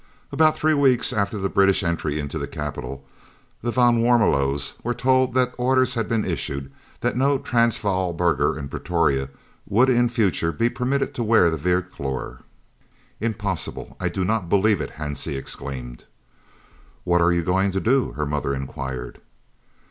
About three weeks after the British entry into the capital, the van Warmelos were told that orders had been issued that no Transvaal burgher in Pretoria would in future be permitted to wear the "Vierkleur." "Impossible! I do not believe it," Hansie exclaimed. "What are you going to do?" her mother inquired.